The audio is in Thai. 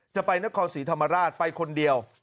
จะไปนครศรีธรรมราชไปคนเดียว